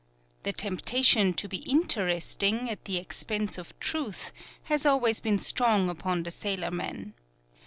The temptation to be interesting at the expense of truth has always been strong upon the sailorman.